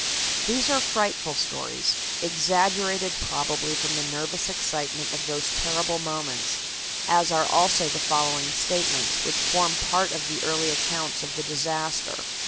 These are frightful stories, exaggerated probably from the nervous excitement of those terrible moments, as are also the following statements, which form part of the early accounts of the disaster.